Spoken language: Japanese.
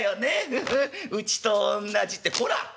フフッうちとおんなじってこら。